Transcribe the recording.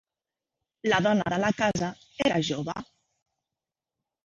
La dona de la casa era jove.